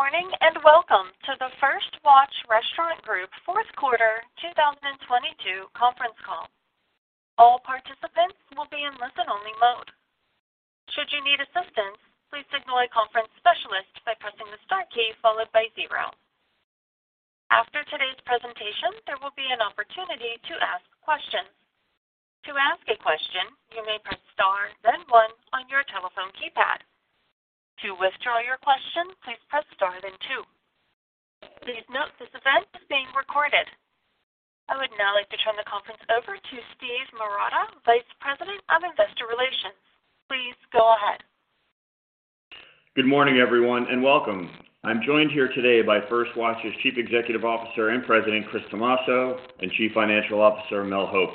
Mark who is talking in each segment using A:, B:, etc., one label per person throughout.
A: Good morning, welcome to the First Watch Restaurant Group fourth quarter 2022 conference call. All participants will be in listen-only mode. Should you need assistance, please signal a conference specialist by pressing the star key followed by zero. After today's presentation, there will be an opportunity to ask questions. To ask a question, you may press star then one on your telephone keypad. To withdraw your question, please press star then two. Please note this event is being recorded. I would now like to turn the conference over to Steve Marotta, Vice President of Investor Relations. Please go ahead.
B: Good morning, everyone, and welcome. I'm joined here today by First Watch's Chief Executive Officer and President, Chris Tomasso, and Chief Financial Officer, Mel Hope.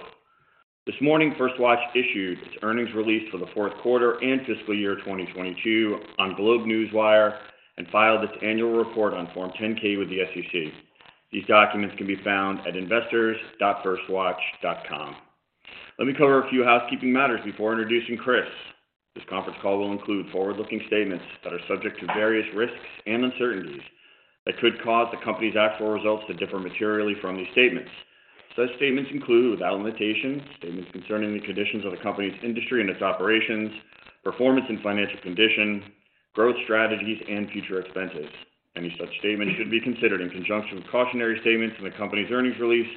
B: This morning, First Watch issued its earnings release for the fourth quarter and fiscal year 2022 on GlobeNewswire and filed its annual report on Form 10-K with the SEC. These documents can be found at investors.firstwatch.com. Let me cover a few housekeeping matters before introducing Chris. This conference call will include forward-looking statements that are subject to various risks and uncertainties that could cause the company's actual results to differ materially from these statements. Such statements include, without limitation, statements concerning the conditions of the company's industry and its operations, performance and financial condition, growth strategies, and future expenses. Any such statement should be considered in conjunction with cautionary statements in the company's earnings release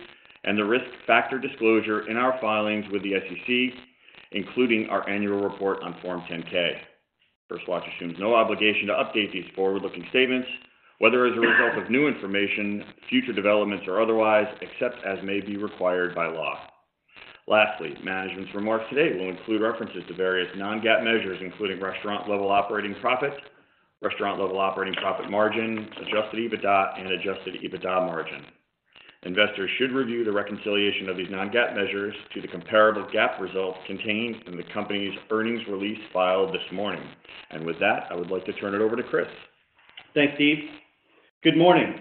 B: and the risk factor disclosure in our filings with the SEC, including our annual report on Form 10-K. First Watch assumes no obligation to update these forward-looking statements, whether as a result of new information, future developments, or otherwise, except as may be required by law. Lastly, management's remarks today will include references to various non-GAAP measures, including restaurant level operating profit, restaurant level operating profit margin, adjusted EBITDA, and adjusted EBITDA margin. Investors should review the reconciliation of these non-GAAP measures to the comparable GAAP results contained in the company's earnings release filed this morning. With that, I would like to turn it over to Chris.
C: Thanks, Steve. Good morning.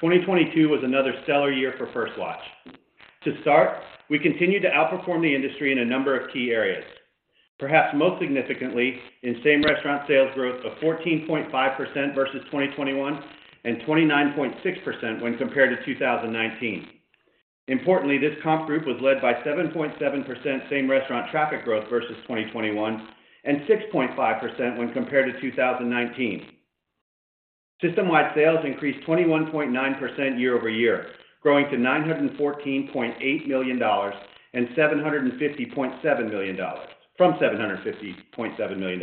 C: 2022 was another stellar year for First Watch. To start, we continued to outperform the industry in a number of key areas, perhaps most significantly in same-restaurant sales growth of 14.5% versus 2021 and 29.6% when compared to 2019. Importantly, this comp group was led by 7.7% same-restaurant traffic growth versus 2021 and 6.5% when compared to 2019. System-wide sales increased 21.9% year-over-year, growing to $914.8 million from $750.7 million.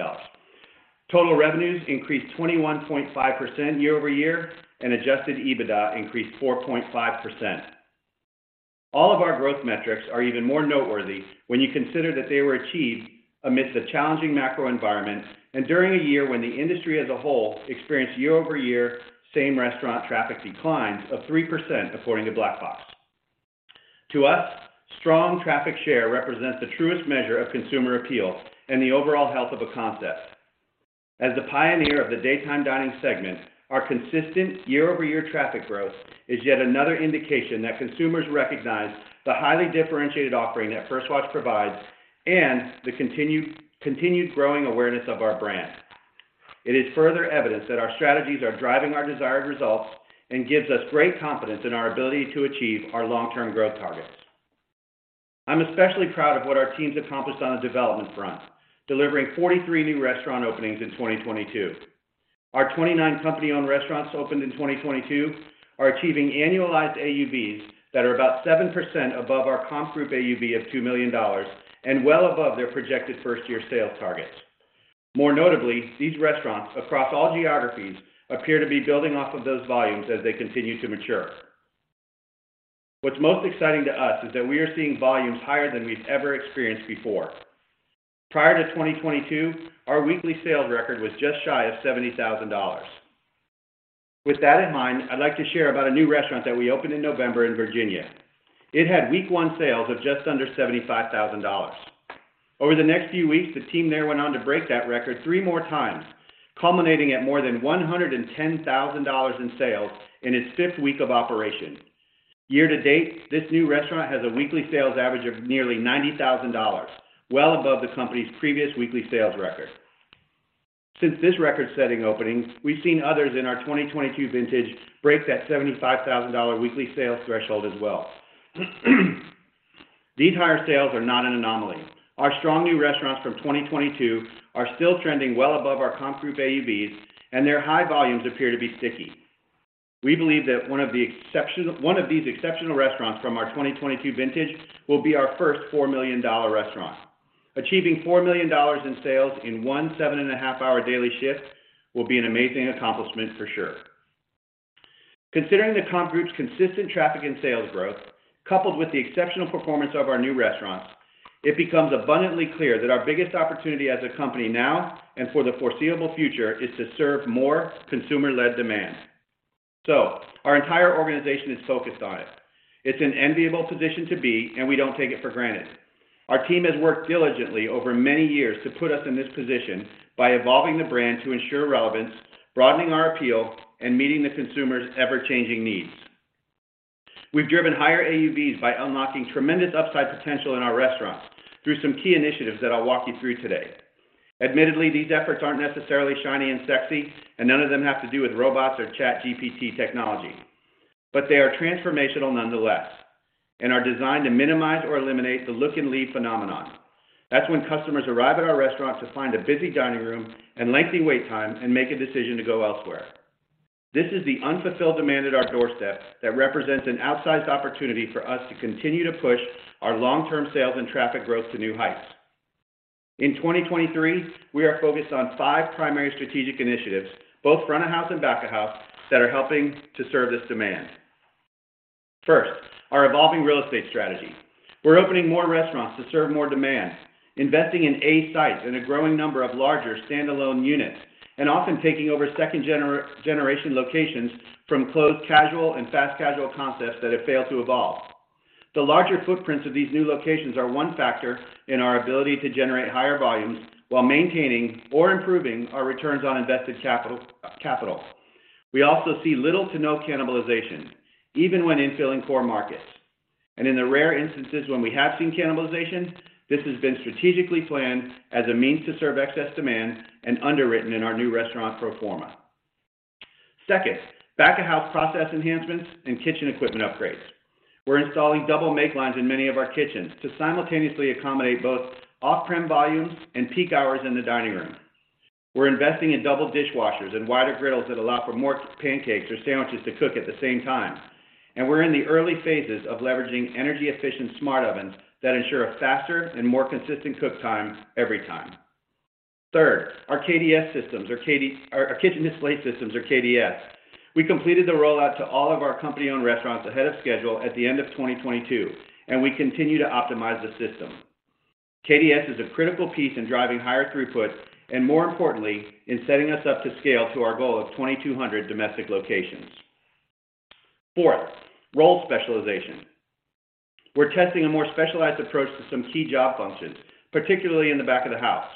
C: Total revenues increased 21.5% year-over-year, and adjusted EBITDA increased 4.5%. All of our growth metrics are even more noteworthy when you consider that they were achieved amidst a challenging macro environment and during a year when the industry as a whole experienced year-over-year same-restaurant traffic declines of 3% according to Black Box. To us, strong traffic share represents the truest measure of consumer appeal and the overall health of a concept. As the pioneer of the daytime dining segment, our consistent year-over-year traffic growth is yet another indication that consumers recognize the highly differentiated offering that First Watch provides and the continued growing awareness of our brand. It is further evidence that our strategies are driving our desired results and gives us great confidence in our ability to achieve our long-term growth targets. I'm especially proud of what our teams accomplished on the development front, delivering 43 new restaurant openings in 2022. Our 29 company-owned restaurants opened in 2022 are achieving annualized AUVs that are about 7% above our comp group AUV of $2 million and well above their projected first-year sales targets. More notably, these restaurants across all geographies appear to be building off of those volumes as they continue to mature. What's most exciting to us is that we are seeing volumes higher than we've ever experienced before. Prior to 2022, our weekly sales record was just shy of $70,000. With that in mind, I'd like to share about a new restaurant that we opened in November in Virginia. It had week one sales of just under $75,000. Over the next few weeks, the team there went on to break that record three more times, culminating at more than $110,000 in sales in its fifth week of operation. Year-to-date, this new restaurant has a weekly sales average of nearly $90,000, well above the company's previous weekly sales record. Since this record-setting opening, we've seen others in our 2022 vintage break that $75,000 weekly sales threshold as well. These higher sales are not an anomaly. Our strong new restaurants from 2022 are still trending well above our comp group AUVs, and their high volumes appear to be sticky. We believe that one of these exceptional restaurants from our 2022 vintage will be our first $4 million restaurant. Achieving $4 million in sales in one seven and a half-hour daily shift will be an amazing accomplishment for sure. Considering the comp group's consistent traffic and sales growth, coupled with the exceptional performance of our new restaurants, it becomes abundantly clear that our biggest opportunity as a company now and for the foreseeable future is to serve more consumer-led demand. Our entire organization is focused on it. It's an enviable position to be, and we don't take it for granted. Our team has worked diligently over many years to put us in this position by evolving the brand to ensure relevance, broadening our appeal, and meeting the consumer's ever-changing needs. We've driven higher AUVs by unlocking tremendous upside potential in our restaurants through some key initiatives that I'll walk you through today. Admittedly, these efforts aren't necessarily shiny and sexy, and none of them have to do with robots or ChatGPT technology. They are transformational nonetheless, and are designed to minimize or eliminate the look and leave phenomenon. That's when customers arrive at our restaurants to find a busy dining room and lengthy wait times, and make a decision to go elsewhere. This is the unfulfilled demand at our doorstep that represents an outsized opportunity for us to continue to push our long-term sales and traffic growth to new heights. In 2023, we are focused on five primary strategic initiatives, both front of house and back of house, that are helping to serve this demand. First, our evolving real estate strategy. We're opening more restaurants to serve more demand, investing in A sites in a growing number of larger standalone units, often taking over second-generation locations from closed casual and fast casual concepts that have failed to evolve. The larger footprints of these new locations are one factor in our ability to generate higher volumes while maintaining or improving our returns on invested capital. We also see little to no cannibalization, even when infilling core markets. In the rare instances when we have seen cannibalization, this has been strategically planned as a means to serve excess demand and underwritten in our new restaurant pro forma. Second, back of house process enhancements and kitchen equipment upgrades. We're installing double make lines in many of our kitchens to simultaneously accommodate both off-prem volume and peak hours in the dining room. We're investing in double dishwashers and wider griddles that allow for more pancakes or sandwiches to cook at the same time. We're in the early phases of leveraging energy-efficient smart ovens that ensure a faster and more consistent cook time every time. Third, our KDS systems, our kitchen display systems or KDS. We completed the rollout to all of our company-owned restaurants ahead of schedule at the end of 2022, and we continue to optimize the system. KDS is a critical piece in driving higher throughput, and more importantly, in setting us up to scale to our goal of 2,200 domestic locations. Fourth, role specialization. We're testing a more specialized approach to some key job functions, particularly in the back of the house.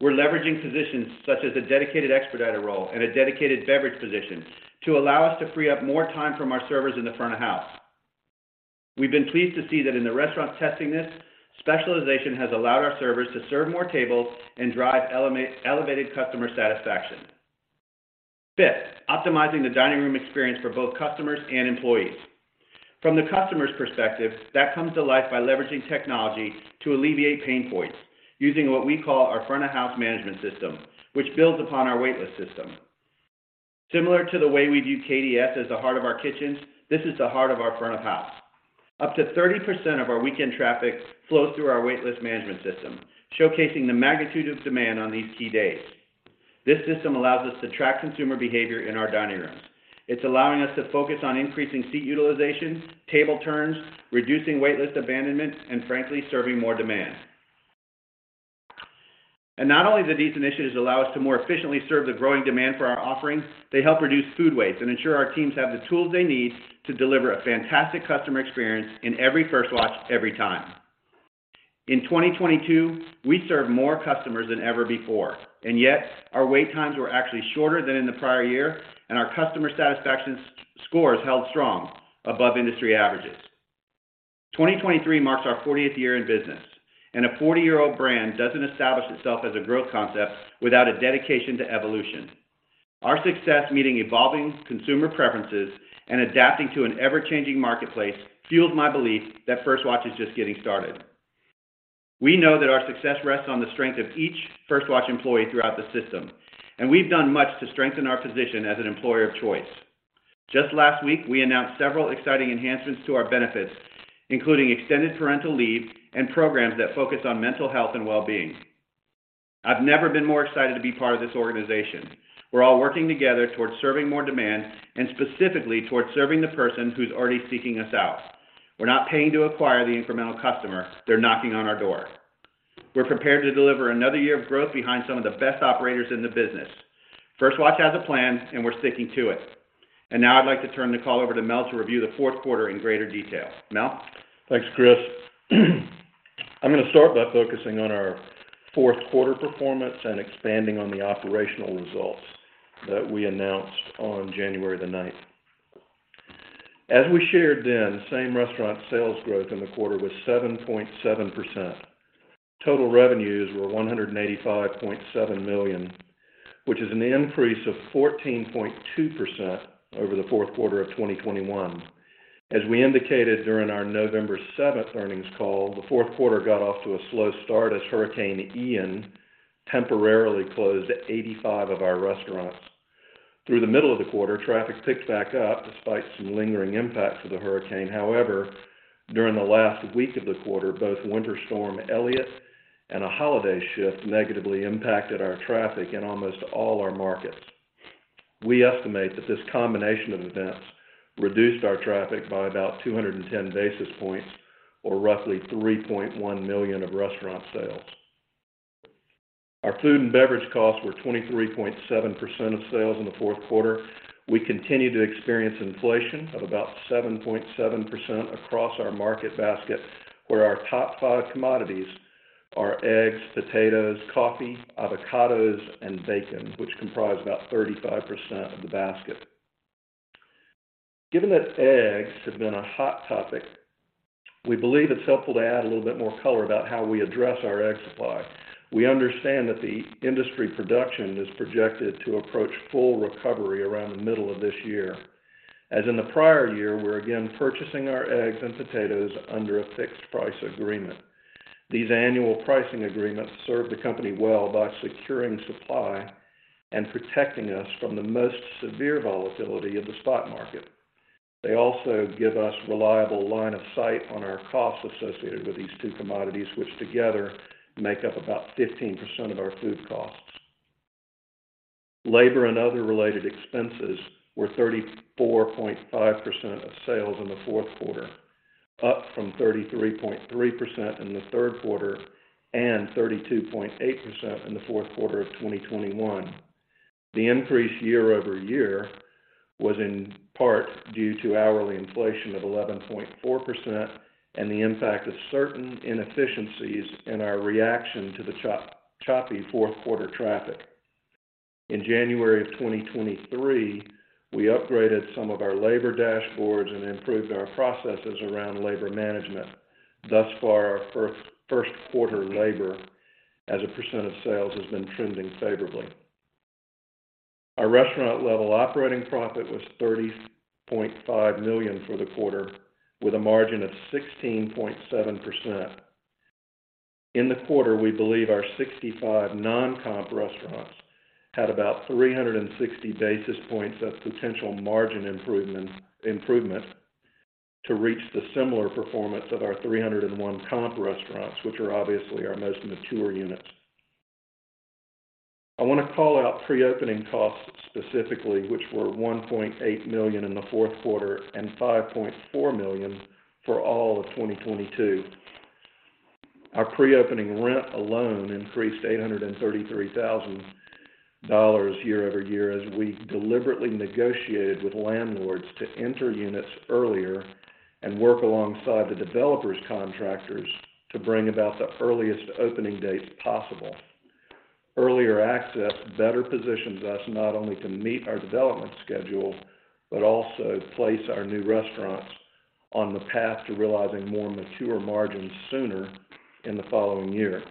C: We're leveraging positions such as a dedicated expediter role and a dedicated beverage position to allow us to free up more time from our servers in the front of house. We've been pleased to see that in the restaurant testing this, specialization has allowed our servers to serve more tables and drive elevated customer satisfaction. Fifth, optimizing the dining room experience for both customers and employees. From the customer's perspective, that comes to life by leveraging technology to alleviate pain points using what we call our front of house management system, which builds upon our wait list system. Similar to the way we view KDS as the heart of our kitchens, this is the heart of our front of house. Up to 30% of our weekend traffic flows through our wait list management system, showcasing the magnitude of demand on these key days. This system allows us to track consumer behavior in our dining rooms. It's allowing us to focus on increasing seat utilization, table turns, reducing wait list abandonments, and frankly, serving more demand. Not only do these initiatives allow us to more efficiently serve the growing demand for our offerings, they help reduce food waste and ensure our teams have the tools they need to deliver a fantastic customer experience in every First Watch, every time. In 2022, we served more customers than ever before, and yet our wait times were actually shorter than in the prior year, and our customer satisfaction scores held strong above industry averages. 2023 marks our 40th year in business. A 40-year-old brand doesn't establish itself as a growth concept without a dedication to evolution. Our success meeting evolving consumer preferences and adapting to an ever-changing marketplace fuels my belief that First Watch is just getting started. We know that our success rests on the strength of each First Watch employee throughout the system, and we've done much to strengthen our position as an employer of choice. Just last week, we announced several exciting enhancements to our benefits, including extended parental leave and programs that focus on mental health and well-being. I've never been more excited to be part of this organization. We're all working together towards serving more demand and specifically towards serving the person who's already seeking us out. We're not paying to acquire the incremental customer. They're knocking on our door. We're prepared to deliver another year of growth behind some of the best operators in the business. First Watch has a plan, and we're sticking to it. Now I'd like to turn the call over to Mel to review the fourth quarter in greater detail. Mel?
D: Thanks, Chris. I'm gonna start by focusing on our fourth quarter performance and expanding on the operational results that we announced on January 9th. As we shared then, same-restaurant sales growth in the quarter was 7.7%. Total revenues were $185.7 million, which is an increase of 14.2% over the fourth quarter of 2021. As we indicated during our November 7th earnings call, the fourth quarter got off to a slow start as Hurricane Ian temporarily closed 85 of our restaurants. Through the middle of the quarter, traffic picked back up despite some lingering impacts of the hurricane. However, during the last week of the quarter, both Winter Storm Elliott and a holiday shift negatively impacted our traffic in almost all our markets. We estimate that this combination of events reduced our traffic by about 210 basis points or roughly $3.1 million of restaurant sales. Our food and beverage costs were 23.7% of sales in the fourth quarter. We continue to experience inflation of about 7.7% across our market basket, where our top five commodities are eggs, potatoes, coffee, avocados, and bacon, which comprise about 35% of the basket. Given that eggs have been a hot topic, we believe it's helpful to add a little bit more color about how we address our egg supply. We understand that the industry production is projected to approach full recovery around the middle of this year. As in the prior year, we're again purchasing our eggs and potatoes under a fixed price agreement. These annual pricing agreements serve the company well by securing supply and protecting us from the most severe volatility of the spot market. They also give us reliable line of sight on our costs associated with these two commodities, which together make up about 15% of our food costs. Labor and other related expenses were 34.5% of sales in the fourth quarter, up from 33.3% in the third quarter and 32.8% in the fourth quarter of 2021. The increase year-over-year was in part due to hourly inflation of 11.4% and the impact of certain inefficiencies in our reaction to the choppy fourth quarter traffic. In January 2023, we upgraded some of our labor dashboards and improved our processes around labor management. Thus far, our first quarter labor as a percentage of sales has been trending favorably. Our restaurant level operating profit was $30.5 million for the quarter, with a margin of 16.7%. In the quarter, we believe our 65 non-comp restaurants had about 360 basis points of potential margin improvement to reach the similar performance of our 301 comp restaurants, which are obviously our most mature units. I want to call out pre-opening costs specifically, which were $1.8 million in the fourth quarter and $5.4 million for all of 2022. Our pre-opening rent alone increased to $833,000 year-over-year as we deliberately negotiated with landlords to enter units earlier and work alongside the developers contractors to bring about the earliest opening dates possible. Earlier access better positions us not only to meet our development schedule, but also place our new restaurants on the path to realizing more mature margins sooner in the following year.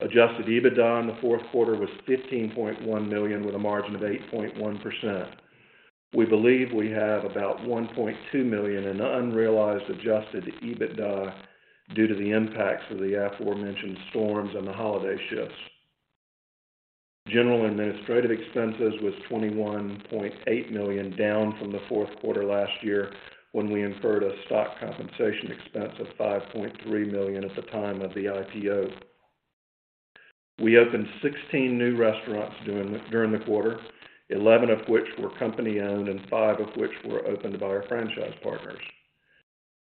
D: Adjusted EBITDA in the fourth quarter was $15.1 million, with a margin of 8.1%. We believe we have about $1.2 million in unrealized adjusted EBITDA due to the impacts of the aforementioned storms and the holiday shifts. General administrative expenses was $21.8 million, down from the fourth quarter last year when we incurred a stock compensation expense of $5.3 million at the time of the IPO. We opened 16 new restaurants during the quarter, 11 of which were company-owned and five of which were opened by our franchise partners.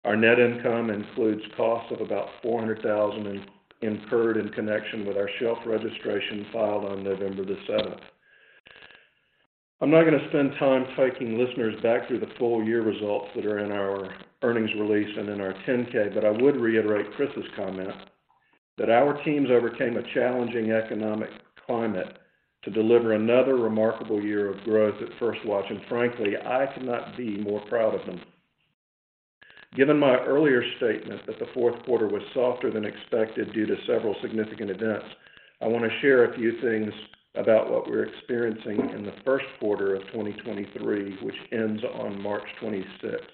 D: Our net income includes costs of about $400,000 incurred in connection with our shelf registration filed on November 7th. I'm not gonna spend time taking listeners back through the full year results that are in our earnings release and in our 10-K, but I would reiterate Chris's comment that our teams overcame a challenging economic climate to deliver another remarkable year of growth at First Watch. Frankly, I could not be more proud of them. Given my earlier statement that the fourth quarter was softer than expected due to several significant events, I want to share a few things about what we're experiencing in the first quarter of 2023, which ends on March 26th.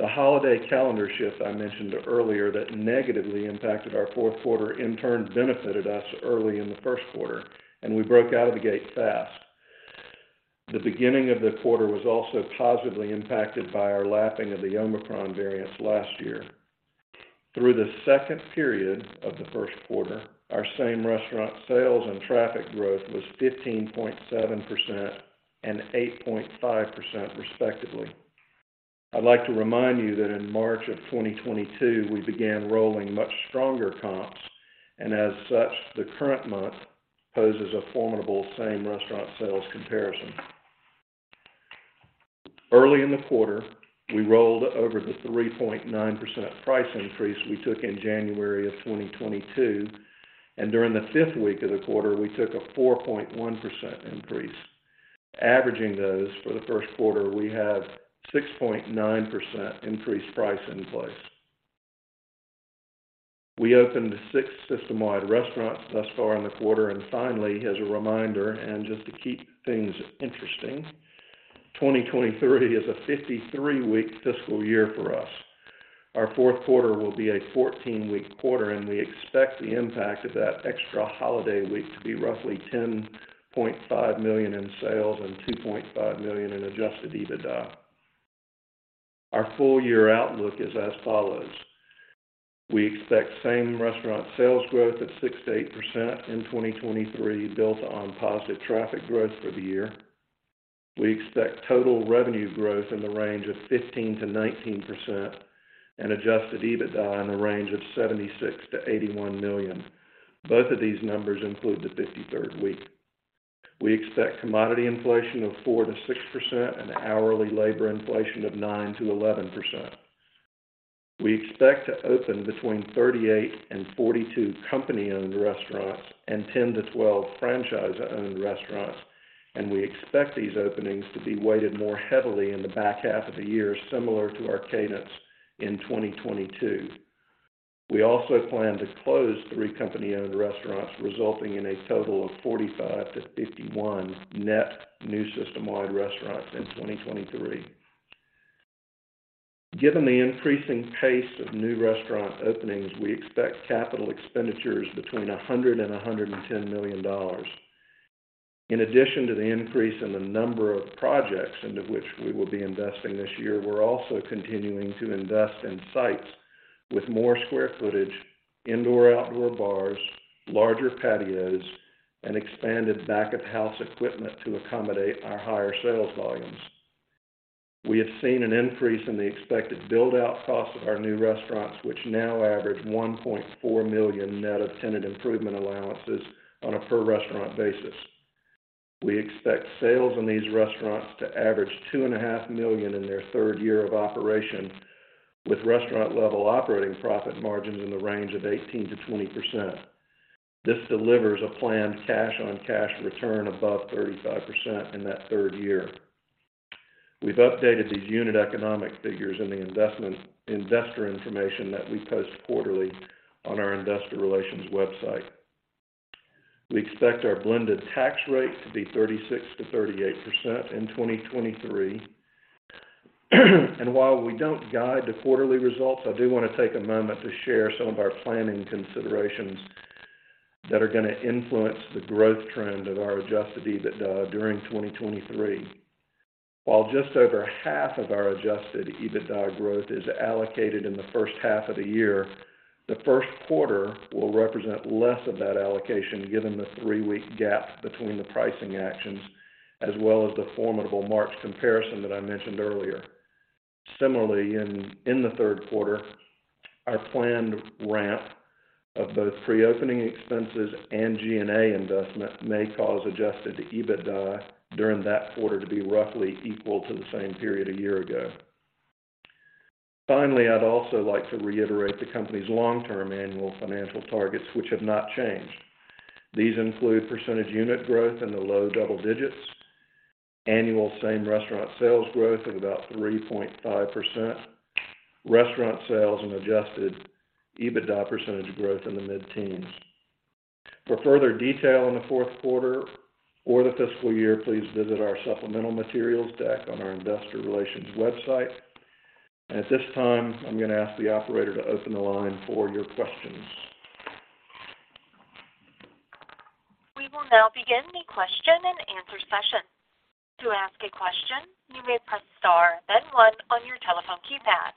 D: The holiday calendar shift I mentioned earlier that negatively impacted our fourth quarter in turn benefited us early in the first quarter, and we broke out of the gate fast. The beginning of the quarter was also positively impacted by our lapping of the Omicron variant last year. Through the second period of the first quarter, our same-restaurant sales and traffic growth was 15.7% and 8.5% respectively. I'd like to remind you that in March of 2022, we began rolling much stronger comps. As such, the current month poses a formidable same-restaurant sales comparison. Early in the quarter, we rolled over the 3.9% price increase we took in January of 2022. During the fifth week of the quarter, we took a 4.1% increase. Averaging those for the first quarter, we have 6.9% increased price in place. We opened six system-wide restaurants thus far in the quarter. Finally, as a reminder, and just to keep things interesting, 2023 is a 53-week fiscal year for us. Our fourth quarter will be a 14-week quarter, and we expect the impact of that extra holiday week to be roughly $10.5 million in sales and $2.5 million in adjusted EBITDA. Our full year outlook is as follows: We expect same-restaurant sales growth at 6%-8% in 2023, built on positive traffic growth for the year. We expect total revenue growth in the range of 15%-19% and adjusted EBITDA in the range of $76 million-$81 million. Both of these numbers include the 53rd week. We expect commodity inflation of 4%-6% and hourly labor inflation of 9%-11%. We expect to open between 38 and 42 company-owned restaurants and 10-12 franchise-owned restaurants. We expect these openings to be weighted more heavily in the back half of the year, similar to our cadence in 2022. We also plan to close three company-owned restaurants, resulting in a total of 45 to 51 net new system-wide restaurants in 2023. Given the increasing pace of new restaurant openings, we expect capital expenditures between $100 million-$110 million. In addition to the increase in the number of projects into which we will be investing this year, we're also continuing to invest in sites with more square footage, indoor/outdoor bars, larger patios, and expanded back of house equipment to accommodate our higher sales volumes. We have seen an increase in the expected build-out cost of our new restaurants, which now average $1.4 million net of tenant improvement allowances on a per restaurant basis. We expect sales in these restaurants to average $2.5 million in their third year of operation, with restaurant level operating profit margins in the range of 18%-20%. This delivers a planned cash-on-cash return above 35% in that third year. We've updated these unit economic figures in the investor information that we post quarterly on our investor relations website. We expect our blended tax rate to be 36%-38% in 2023. While we don't guide to quarterly results, I do want to take a moment to share some of our planning considerations that are gonna influence the growth trend of our adjusted EBITDA during 2023. While just over half of our adjusted EBITDA growth is allocated in the first half of the year, the first quarter will represent less of that allocation given the three-week gap between the pricing actions as well as the formidable March comparison that I mentioned earlier. Similarly, in the third quarter, our planned ramp of both pre-opening expenses and G&A investment may cause adjusted EBITDA during that quarter to be roughly equal to the same period a year ago. Finally, I'd also like to reiterate the company's long-term annual financial targets, which have not changed. These include percentage unit growth in the low double digits, annual same restaurant sales growth of about 3.5%, restaurant sales and adjusted EBITDA percentage growth in the mid-teens. For further detail on the fourth quarter or the fiscal year, please visit our supplemental materials deck on our investor relations website. At this time, I'm going to ask the operator to open the line for your questions.
A: We will now begin the question and answer session. To ask a question, you may press star, then one on your telephone keypad.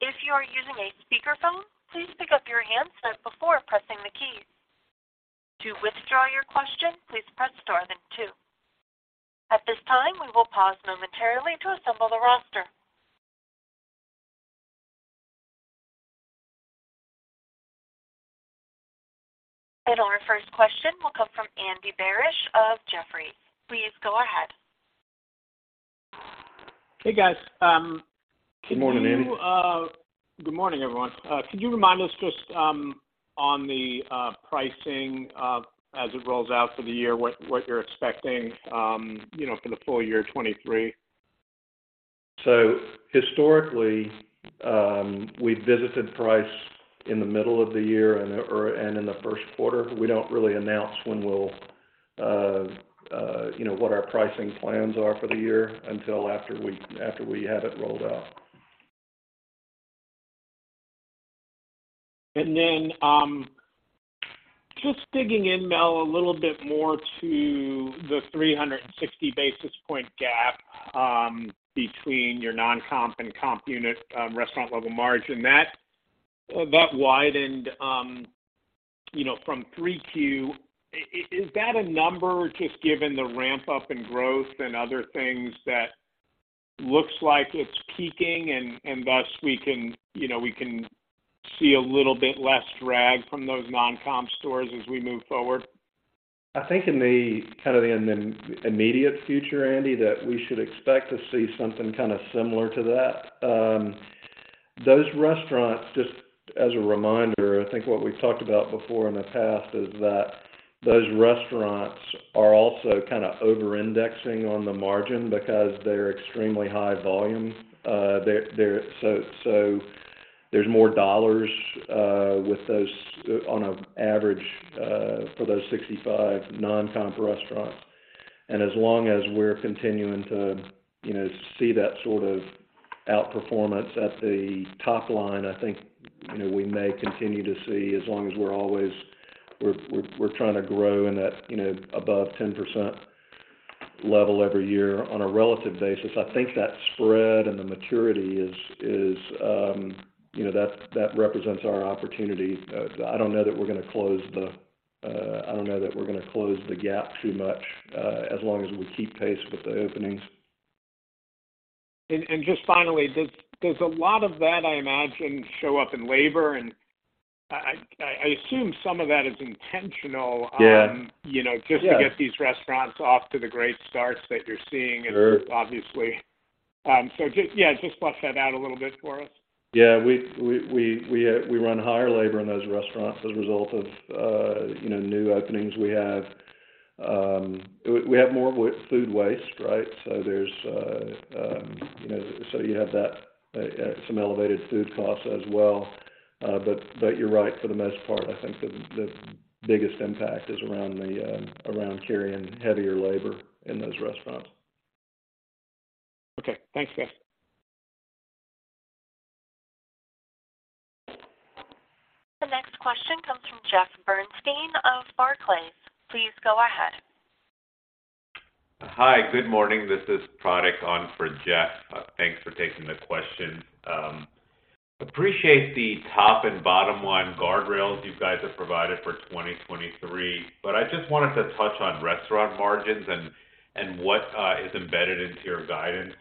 A: If you are using a speakerphone, please pick up your handset before pressing the key. To withdraw your question, please press star then two. At this time, we will pause momentarily to assemble the roster. Our first question will come from Andy Barish of Jefferies. Please go ahead.
E: Hey, guys.
D: Good morning, Andy.
E: Good morning, everyone. Could you remind us just on the pricing as it rolls out for the year, what you're expecting, you know, for the full year 2023?
D: Historically, we've visited price in the middle of the year and, or, and in the first quarter. We don't really announce when we'll, you know, what our pricing plans are for the year until after we have it rolled out.
E: Just digging in, Mel, a little bit more to the 360 basis point gap, between your non-comp and comp unit, restaurant level margin. That widened, you know, from 3Q. Is that a number just given the ramp-up in growth and other things that looks like it's peaking and thus we can, you know, we can see a little bit less drag from those non-comp stores as we move forward?
D: I think in the, kind of the immediate future, Andy, that we should expect to see something kinda similar to that. Those restaurants, just as a reminder, I think what we've talked about before in the past is that those restaurants are also kinda over-indexing on the margin because they're extremely high volume. They're, so there's more dollars with those on a average for those 65 non-comp restaurants. And as long as we're continuing to, you know, see that sort of outperformance at the top line, I think, you know, we may continue to see as long as we're always trying to grow in that, you know, above 10% level every year on a relative basis. I think that spread and the maturity is, you know, that represents our opportunity. I don't know that we're gonna close the gap too much, as long as we keep pace with the openings.
E: Just finally, does a lot of that, I imagine, show up in labor? I assume some of that is intentional.
D: Yeah.
E: You know.
D: Yeah.
E: Just to get these restaurants off to the great starts that you're seeing.
D: Sure.
E: Obviously. Just, yeah, just flush that out a little bit for us.
D: Yeah. We run higher labor in those restaurants as a result of, you know, new openings we have. We have more food waste, right? There's, you know, so you have that, some elevated food costs as well. You're right. For the most part, I think the biggest impact is around carrying heavier labor in those restaurants.
E: Okay. Thanks, guys.
A: The next question comes from Jeff Bernstein of Barclays. Please go ahead.
F: Hi, good morning. This is Pratik on for Jeff. Thanks for taking the question. Appreciate the top and bottom line guardrails you guys have provided for 2023. I just wanted to touch on restaurant margins and what is embedded into your guidance.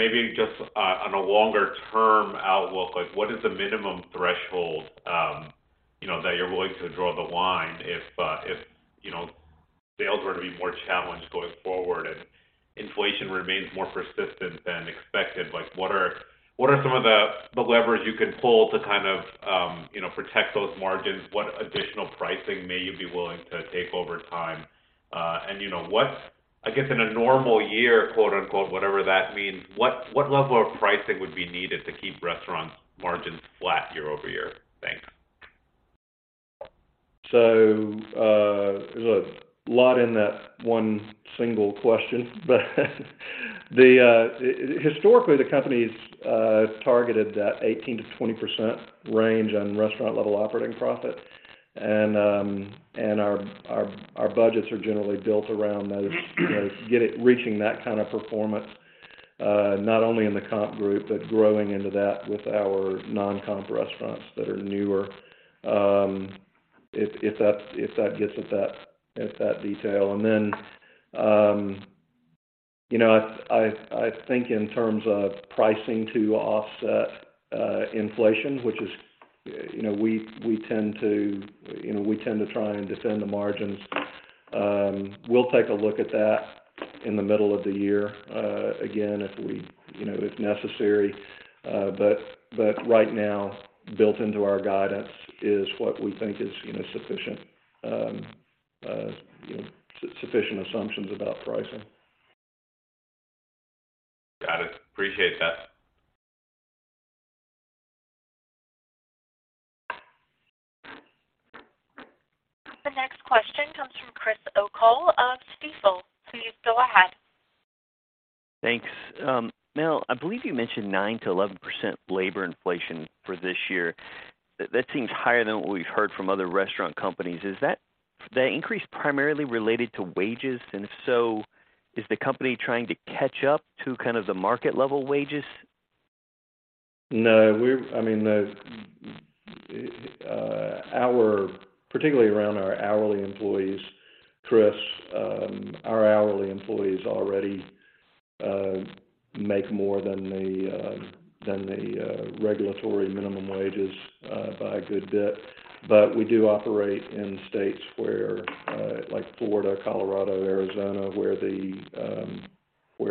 F: Maybe just on a longer term outlook, like what is the minimum threshold, you know, that you're willing to draw the line if, you know, sales were to be more challenged going forward and inflation remains more persistent than expected. Like, what are some of the levers you can pull to kind of, you know, protect those margins? What additional pricing may you be willing to take over time? And, you know, I guess, in a normal year, quote unquote, whatever that means, what level of pricing would be needed to keep restaurant margins flat year-over-year? Thanks.
D: There's a lot in that one single question. The, historically, the company's targeted that 18%-20% range on restaurant level operating profit. Our, our budgets are generally built around those, you know, get it reaching that kind of performance, not only in the comp group, but growing into that with our non-comp restaurants that are newer. If, if that's, if that gets at that, at that detail. Then, you know, I've, I think in terms of pricing to offset, inflation, which is, you know, we tend to, you know, we tend to try and defend the margins. We'll take a look at that in the middle of the year, again, if we, you know, if necessary. Right now, built into our guidance is what we think is, you know, sufficient, you know, sufficient assumptions about pricing.
F: Got it. Appreciate that.
A: The next question comes from Chris O'Cull of Stifel. Please go ahead.
G: Thanks. Mel, I believe you mentioned 9%-11% labor inflation for this year. That seems higher than what we've heard from other restaurant companies. Is the increase primarily related to wages? If so, is the company trying to catch up to kind of the market level wages?
D: No. I mean, our particularly around our hourly employees, Chris, our hourly employees already make more than the regulatory minimum wages by a good bit. But we do operate in states like Florida, Colorado, Arizona, where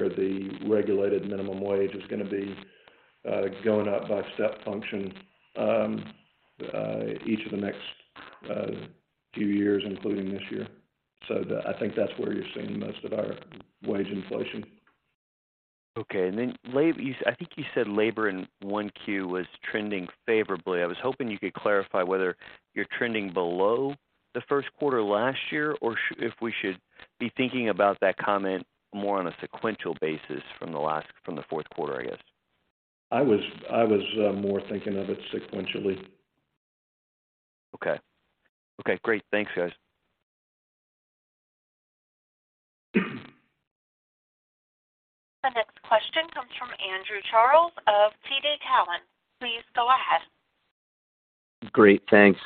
D: the regulated minimum wage is going to be going up by step function each of the next few years, including this year. I think that's where you're seeing most of our wage inflation.
G: Okay. I think you said labor in 1Q was trending favorably. I was hoping you could clarify whether you're trending below the first quarter last year, or if we should be thinking about that comment more on a sequential basis from the fourth quarter, I guess.
D: I was more thinking of it sequentially.
G: Okay. Okay, great. Thanks, guys.
A: The next question comes from Andrew Charles of TD Cowen. Please go ahead.
H: Great, thanks.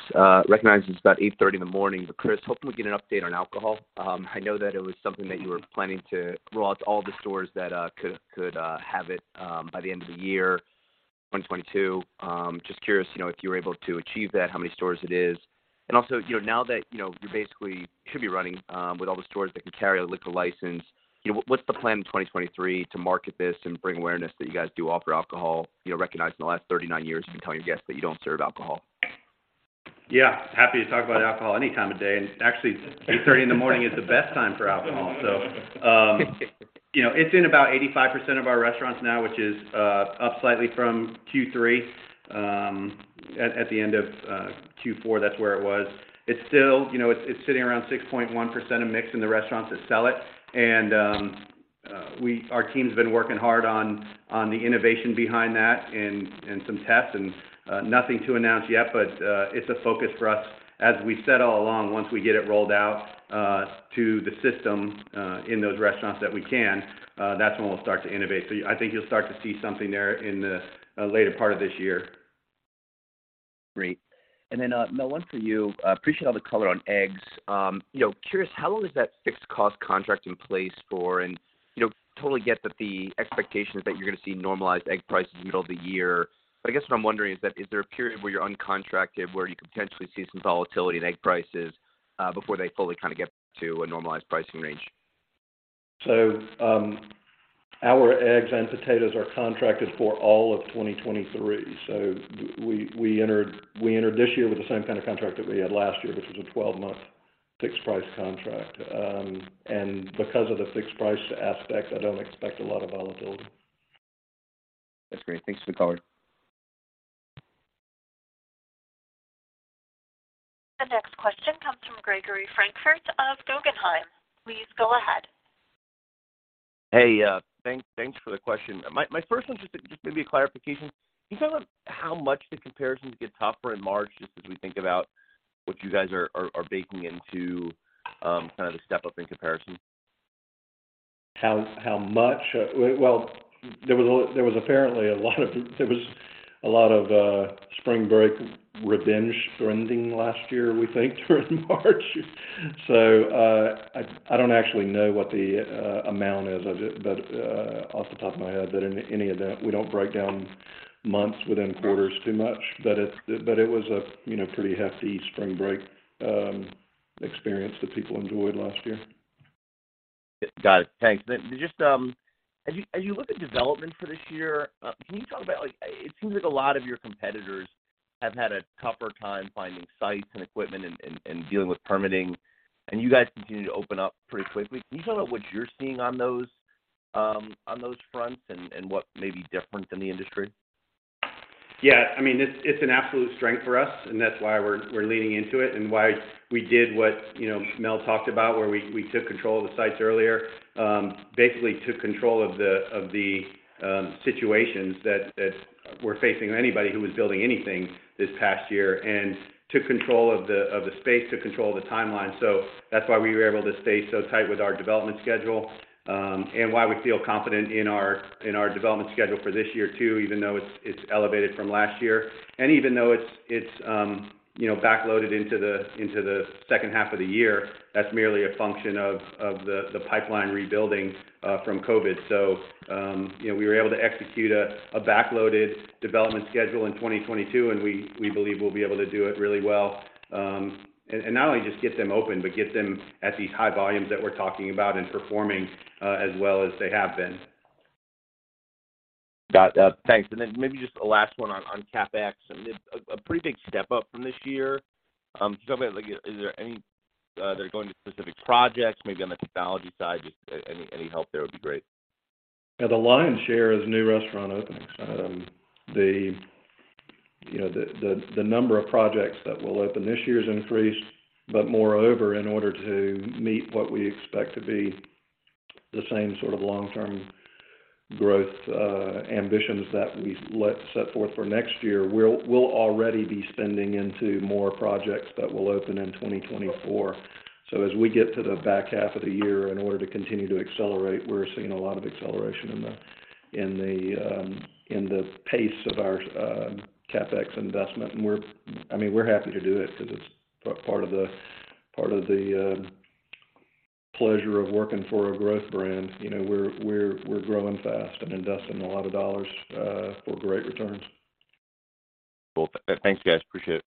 H: Recognizing it's about 8:30 A.M., Chris, hoping we get an update on alcohol. I know that it was something that you were planning to roll out to all the stores that could have it by the end of the year, 2022. Just curious, you know, if you were able to achieve that, how many stores it is? Also, you know, now that, you know, you basically should be running with all the stores that can carry a liquor license, you know, what's the plan in 2023 to market this and bring awareness that you guys do offer alcohol? You know, recognizing the last 39 years you've been telling your guests that you don't serve alcohol.
C: Yeah. Happy to talk about alcohol any time of day. Actually 8:30 A.M. is the best time for alcohol. You know, it's in about 85% of our restaurants now, which is up slightly from Q3. At the end of Q4, that's where it was. It's still, you know, it's sitting around 6.1% of mix in the restaurants that sell it. Our team's been working hard on the innovation behind that and some tests, and nothing to announce yet, but it's a focus for us. As we said all along, once we get it rolled out to the system in those restaurants that we can, that's when we'll start to innovate. I think you'll start to see something there in the later part of this year.
H: Great. Then, Mel, one for you. Appreciate all the color on eggs. You know, curious, how long is that fixed cost contract in place for? You know, totally get that the expectation is that you're gonna see normalized egg prices in the middle of the year. I guess what I'm wondering is that, is there a period where you're uncontracted, where you could potentially see some volatility in egg prices, before they fully kinda get to a normalized pricing range?
D: Our eggs and potatoes are contracted for all of 2023. We entered this year with the same kind of contract that we had last year, which was a 12-month fixed price contract. And because of the fixed price aspect, I don't expect a lot of volatility.
H: That's great. Thanks for the color.
A: The next question comes from Gregory Francfort of Guggenheim. Please go ahead.
I: Hey, thanks for the question. My first one's just maybe a clarification. Can you talk about how much the comparisons get tougher in March, just as we think about what you guys are baking into, kind of the step up in comparison?
D: How much? Well, there was a lot of spring break revenge trending last year, we think during March. I don't actually know what the amount is. I'll do it about off the top of my head. In any event, we don't break down months within quarters too much. It was a, you know, pretty hefty spring break experience that people enjoyed last year.
I: Got it. Thanks. just, as you look at development for this year, can you talk about, like, it seems like a lot of your competitors have had a tougher time finding sites and equipment and dealing with permitting, and you guys continue to open up pretty quickly. Can you talk about what you're seeing on those fronts and what may be different in the industry?
C: Yeah. I mean, it's an absolute strength for us, and that's why we're leaning into it and why we did what, you know, Mel talked about, where we took control of the sites earlier. Basically took control of the situations that were facing anybody who was building anything this past year and took control of the space, took control of the timeline. That's why we were able to stay so tight with our development schedule and why we feel confident in our development schedule for this year too, even though it's elevated from last year. Even though it's, you know, backloaded into the second half of the year. That's merely a function of the pipeline rebuilding from COVID. You know, we were able to execute a backloaded development schedule in 2022, and we believe we'll be able to do it really well. Not only just get them open, but get them at these high volumes that we're talking about and performing as well as they have been.
I: Got it. Thanks. Maybe just a last one on CapEx. I mean, a pretty big step up from this year. Could you talk about, like, is there any, that are going to specific projects maybe on the technology side? Just any help there would be great.
D: Yeah. The lion's share is new restaurant openings. The, you know, the number of projects that will open this year has increased. Moreover, in order to meet what we expect to be the same sort of long-term growth ambitions that we let set forth for next year, we'll already be spending into more projects that will open in 2024. As we get to the back half of the year, in order to continue to accelerate, we're seeing a lot of acceleration in the pace of our CapEx investment. I mean, we're happy to do it because it's part of the pleasure of working for a growth brand. You know, we're growing fast and investing a lot of dollars for great returns.
I: Cool. Thanks, guys. Appreciate it.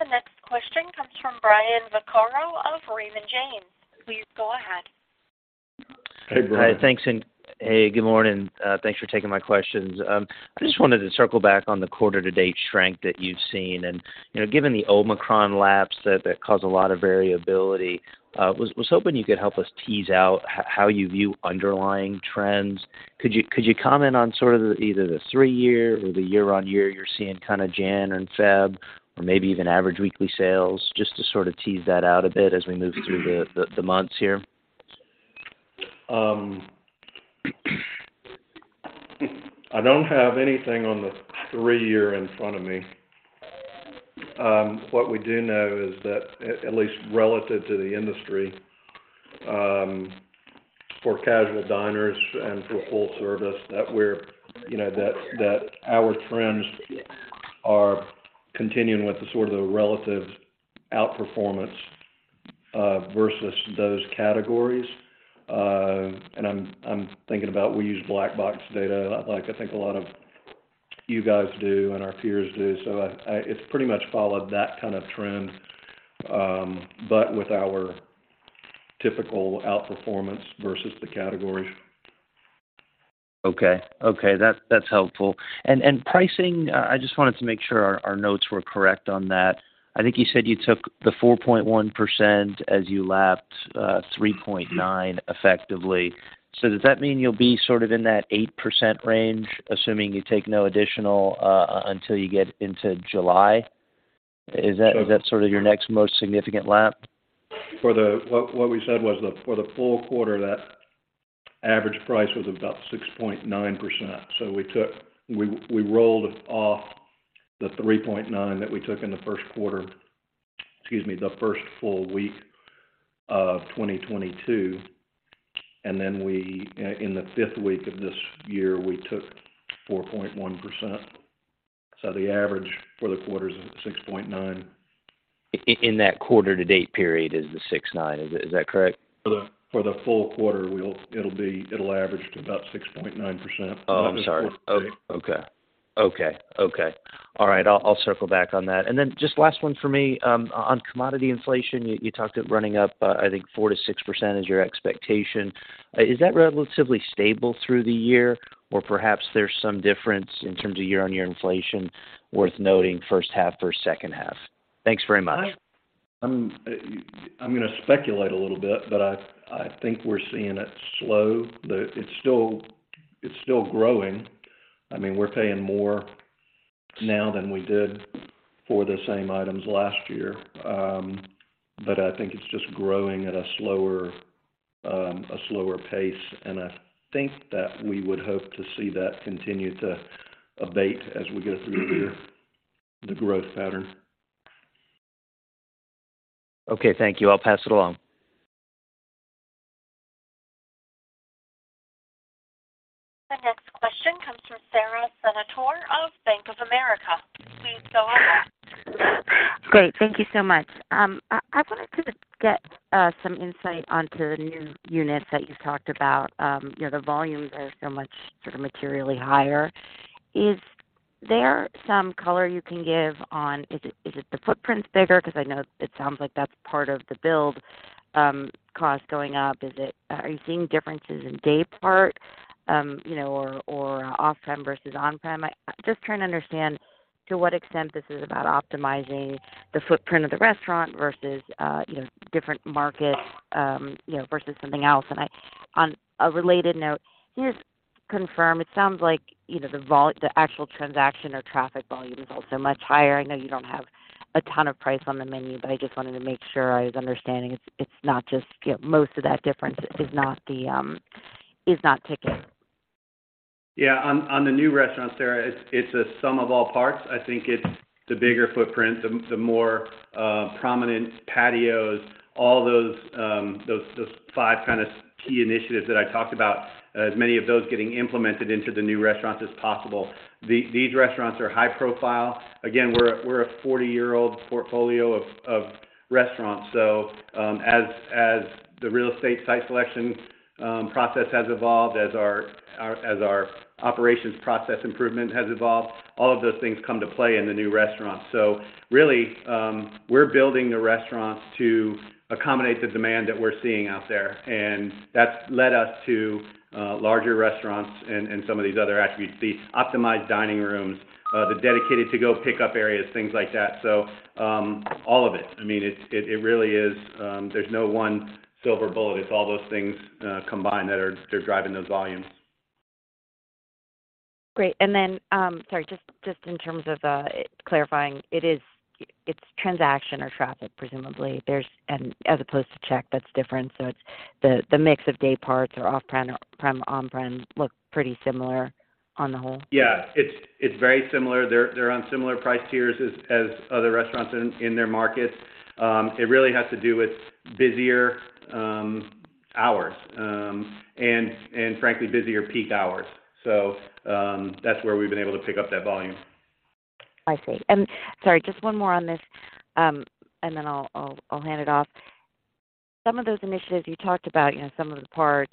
A: The next question comes from Brian Vaccaro of Raymond James. Please go ahead.
D: Hey, Brian.
J: Hey, thanks, hey, good morning. Thanks for taking my questions. I just wanted to circle back on the quarter-to-date strength that you've seen. You know, given the Omicron lapse that caused a lot of variability, was hoping you could help us tease out how you view underlying trends. Could you comment on sort of either the three-year or the year-on-year you're seeing kinda January and February, or maybe even average weekly sales, just to sort of tease that out a bit as we move through the months here?
D: I don't have anything on the three-year in front of me. What we do know is that at least relative to the industry, for casual diners and for full service, that we're, you know, that our trends are continuing with the sort of the relative outperformance, versus those categories. I'm thinking about we use Black Box data like I think a lot of you guys do and our peers do. It's pretty much followed that kind of trend, but with our typical outperformance versus the categories.
J: Okay. That's helpful. Pricing, I just wanted to make sure our notes were correct on that. I think you said you took the 4.1% as you lapped 3.9% effectively. Does that mean you'll be sort of in that 8% range, assuming you take no additional until you get into July?
D: So.
J: Is that sort of your next most significant lap?
D: What we said was for the full quarter, that average price was about 6.9%. We rolled off the 3.9% that we took in the first full week of 2022, and then in the fifth week of this year, we took 4.1%. The average for the quarter is 6.9%.
J: In that quarter-to-date period is the 6.9%. Is that correct?
D: For the full quarter, it'll average to about 6.9%.
J: Oh, I'm sorry.
D: Not in the quarter-to-date.
J: Okay. Okay. Okay. All right. I'll circle back on that. Then just last one for me, on commodity inflation, you talked it running up, I think 4%-6% is your expectation. Is that relatively stable through the year? Perhaps there's some difference in terms of year-on-year inflation worth noting first half versus second half. Thanks very much.
D: I'm gonna speculate a little bit, but I think we're seeing it slow. It's still growing. I mean, we're paying more now than we did for the same items last year. I think it's just growing at a slower, a slower pace. I think that we would hope to see that continue to abate as we go through the year, the growth pattern.
J: Okay, thank you. I'll pass it along.
A: The next question comes from Sara Senatore of Bank of America. Please go ahead.
K: Great. Thank you so much. I wanted to get some insight onto the new units that you talked about. You know, the volumes are so much sort of materially higher. Is there some color you can give on? Is it the footprint's bigger? Because I know it sounds like that's part of the build, cost going up. Are you seeing differences in day part, you know, or off-prem versus on-prem? I'm just trying to understand to what extent this is about optimizing the footprint of the restaurant versus, you know, different markets, you know, versus something else. On a related note, can you just confirm, it sounds like, you know, the actual transaction or traffic volume is also much higher? I know you don't have a ton of price on the menu, but I just wanted to make sure I was understanding. It's not just, you know, most of that difference is not the, is not ticket.
C: On the new restaurants, Sara, it's a sum of all parts. I think it's the bigger footprint, the more prominent patios, all those five kind of key initiatives that I talked about, as many of those getting implemented into the new restaurant as possible. These restaurants are high profile. Again, we're a 40-year-old portfolio of restaurants. As the real estate site selection process has evolved, as our operations process improvement has evolved, all of those things come to play in the new restaurant. Really, we're building the restaurants to accommodate the demand that we're seeing out there, and that's led us to larger restaurants and some of these other attributes, the optimized dining rooms, the dedicated to-go pickup areas, things like that. All of it. I mean, it really is, there's no one silver bullet. It's all those things combined that they're driving those volumes.
K: Great. Sorry, just in terms of clarifying. It's transaction or traffic, presumably. As opposed to check, that's different. It's the mix of day parts or off-prem, on-prem look pretty similar on the whole?
C: Yeah. It's very similar. They're on similar price tiers as other restaurants in their markets. It really has to do with busier hours and frankly, busier peak hours. That's where we've been able to pick up that volume.
K: I see. Sorry, just one more on this, and then I'll hand it off. Some of those initiatives you talked about, you know, some of the parts,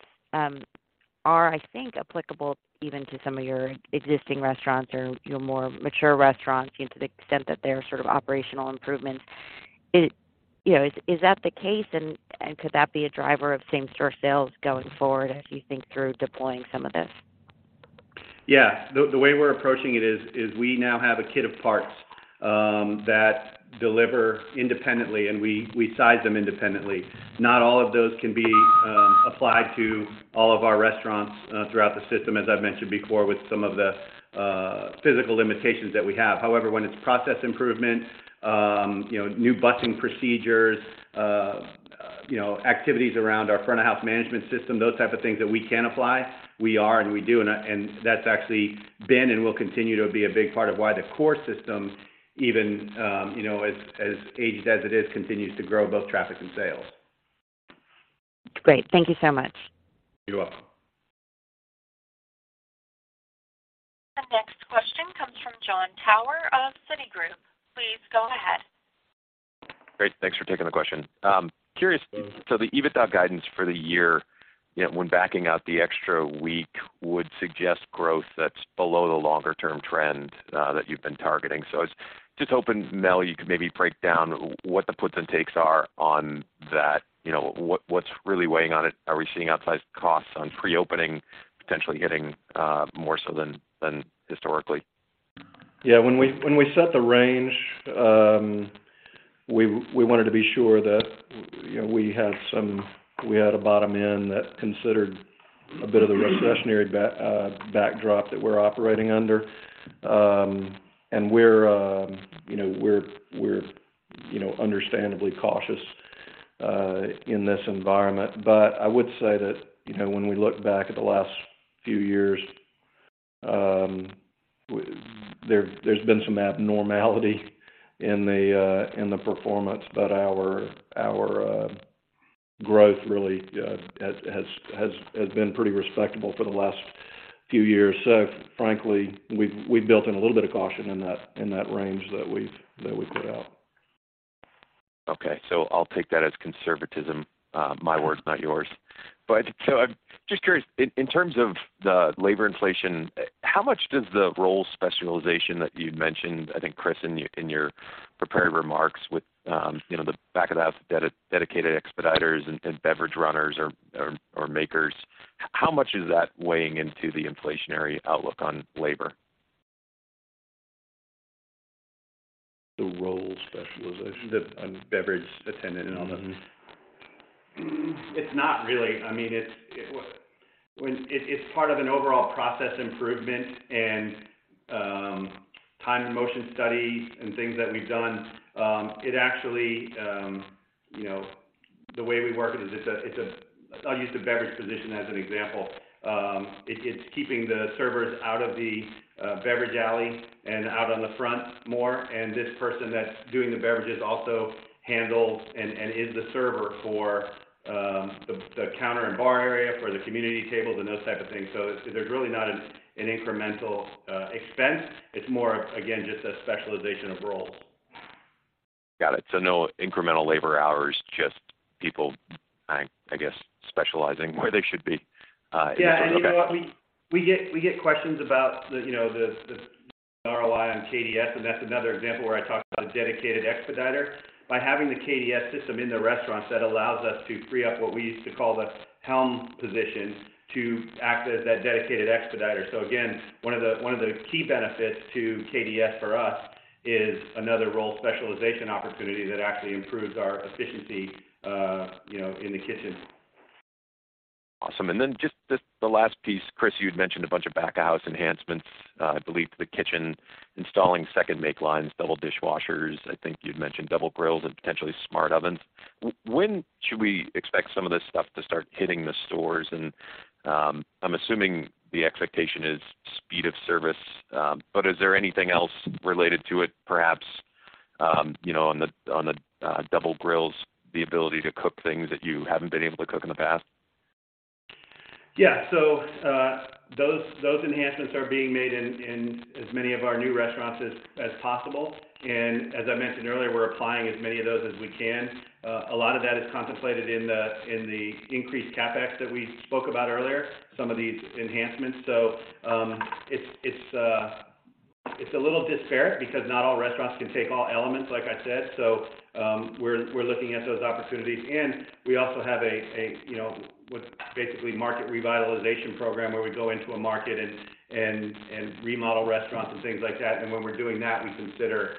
K: are I think applicable even to some of your existing restaurants or your more mature restaurants, you know, to the extent that they're sort of operational improvements. You know, is that the case? Could that be a driver of same-store sales going forward as you think through deploying some of this?
C: Yeah. The, the way we're approaching it is we now have a kit of parts, that deliver independently, and we size them independently. Not all of those can be, applied to all of our restaurants, throughout the system, as I've mentioned before, with some of the, physical limitations that we have. However, when it's process improvement, you know, new busing procedures, you know, activities around our front of house management system, those type of things that we can apply, we are and we do. That's actually been and will continue to be a big part of why the core system, even, you know, as aged as it is, continues to grow both traffic and sales.
K: Great. Thank you so much.
C: You're welcome.
A: The next question comes from Jon Tower of Citigroup. Please go ahead.
L: Great. Thanks for taking the question. Curious. The EBITDA guidance for the year, you know, when backing out the extra week would suggest growth that's below the longer term trend that you've been targeting. I was just hoping, Mel, you could maybe break down what the puts and takes are on that. You know, what's really weighing on it. Are we seeing outsized costs on pre-opening potentially hitting more so than historically?
D: Yeah. When we set the range, we wanted to be sure that, you know, we had a bottom end that considered a bit of the recessionary backdrop that we're operating under. We're, you know, understandably cautious in this environment. I would say that, you know, when we look back at the last few year, there's been some abnormality in the performance, but our growth really has been pretty respectable for the last few years. Frankly, we've built in a little bit of caution in that range that we put out.
L: Okay. I'll take that as conservatism, my words, not yours. I'm just curious. In terms of the labor inflation, how much does the role specialization that you'd mentioned, I think, Chris, in your prepared remarks with, you know, the back of the house dedicated expediters and beverage runners or makers, how much is that weighing into the inflationary outlook on labor?
C: The role specialization.
L: The beverage attendant and all that.
C: It's not really, I mean, it's part of an overall process improvement and time and motion studies and things that we've done. It actually, you know, the way we work it is, I'll use the beverage position as an example. It's keeping the servers out of the beverage alley and out on the front more, and this person that's doing the beverages also handles and is the server for the counter and bar area, for the community tables and those type of things. There's really not an incremental expense. It's more of, again, just a specialization of roles.
L: Got it. No incremental labor hours, just people, I guess, specializing where they should be internally. Okay.
C: Yeah. You know what? We get questions about the, you know, the ROI on KDS, and that's another example where I talk about a dedicated expeditor. By having the KDS system in the restaurants, that allows us to free up what we used to call the helm position to act as that dedicated expeditor. Again, one of the key benefits to KDS for us is another role specialization opportunity that actually improves our efficiency, you know, in the kitchen.
L: Awesome. Just the last piece. Chris, you'd mentioned a bunch of back of house enhancements, I believe to the kitchen, installing second make lines, double dishwashers. I think you'd mentioned double grills and potentially smart ovens. When should we expect some of this stuff to start hitting the stores? I'm assuming the expectation is speed of service. Is there anything else related to it, perhaps, you know, on the, on the, double grills, the ability to cook things that you haven't been able to cook in the past?
C: Yeah. Those enhancements are being made in as many of our new restaurants as possible. As I mentioned earlier, we're applying as many of those as we can. A lot of that is contemplated in the increased CapEx that we spoke about earlier, some of these enhancements. It's a little disparate because not all restaurants can take all elements, like I said. We're looking at those opportunities. We also have a, you know, what's basically market revitalization program, where we go into a market and remodel restaurants and things like that. When we're doing that, we consider,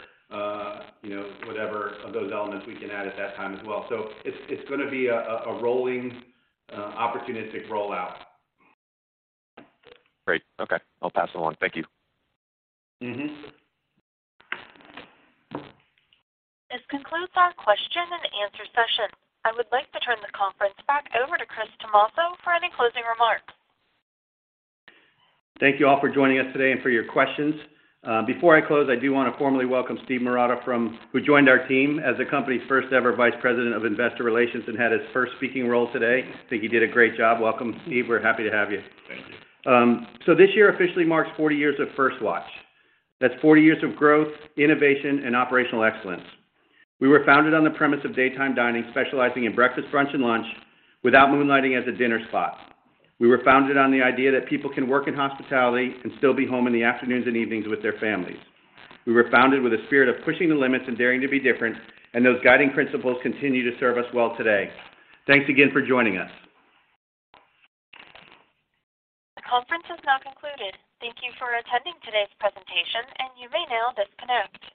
C: you know, whatever of those elements we can add at that time as well. It's gonna be a rolling, opportunistic rollout.
L: Great. Okay. I'll pass it along. Thank you.
C: Mm-hmm.
A: This concludes our question and answer session. I would like to turn the conference back over to Chris Tomasso for any closing remarks.
C: Thank you all for joining us today and for your questions. Before I close, I do wanna formally welcome Steve Marotta who joined our team as the company's first ever Vice President of Investor Relations and had his first speaking role today. I think he did a great job. Welcome, Steve. We're happy to have you.
B: Thank you.
C: This year officially marks 40 years of First Watch. That's 40 years of growth, innovation, and operational excellence. We were founded on the premise of daytime dining, specializing in breakfast, brunch, and lunch without moonlighting as a dinner spot. We were founded on the idea that people can work in hospitality and still be home in the afternoons and evenings with their families. We were founded with a spirit of pushing the limits and daring to be different, and those guiding principles continue to serve us well today. Thanks again for joining us.
A: The conference has now concluded. Thank you for attending today's presentation, and you may now disconnect.